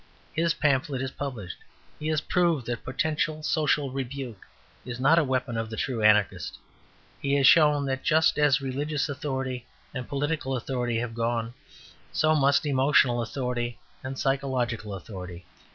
His pamphlet is published. He has proved that Potential Social Rebuke is not a weapon of the true Anarchist. He has shown that just as religious authority and political authority have gone, so must emotional authority and psychological authority.